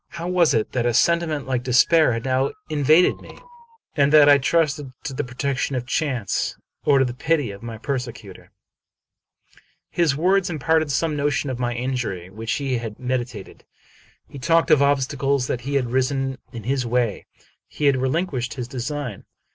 How was it that a sentiment like despair had now invaded me, and that I trusted to the protection of chance, or to the pity of my persecutor ? His words imparted some notion of the injury which he had meditated. He talked of obstacles that had risen in his way. He had relinquished his design.